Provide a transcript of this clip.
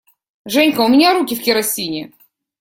Женька, у меня руки в керосине!